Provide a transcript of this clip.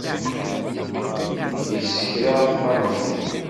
Yessekra axxam-nni.